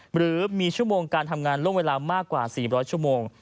หรือมีชั่วโมงการทำงานล่วงเวลามากกว่า๔๐๐ชั่วโมง